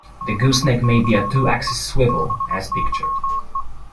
The gooseneck may be a two axis swivel as pictured.